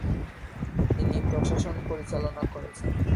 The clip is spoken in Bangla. তিনি প্রশাসন পরিচালনা করেছেন।